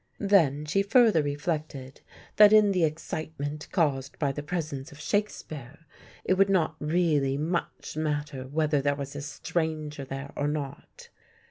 Then she further reflected that in the excitement caused by the presence of Shakespeare it would not really much matter whether there was a stranger there or not.